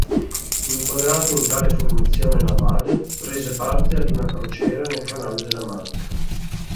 Inquadrato in tale formazione navale prese parte ad una crociera nel Canale della Manica.